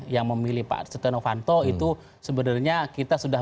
yang memilih pak setia novanto itu sebenarnya kita sudah